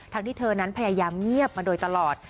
ที่เธอนั้นพยายามเงียบมาโดยตลอด